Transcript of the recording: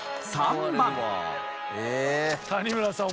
谷村さん